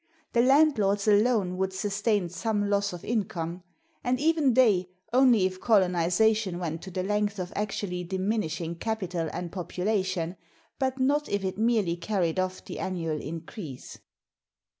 The landlords alone would sustain some loss of income; and even they, only if colonization went to the length of actually diminishing capital and population, but not if it merely carried off the annual increase.